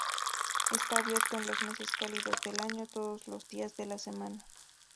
Está abierto en los meses cálidos del año todos los días de la semana.